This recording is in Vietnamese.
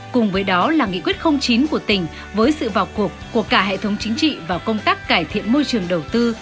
cùng với đó là nghị quyết chín của tỉnh với sự vào cuộc của cả hệ thống chính trị và công tác cải thiện môi trường đầu tư